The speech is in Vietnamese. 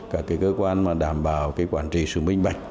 các cơ quan đảm bảo quản trị sự minh bạch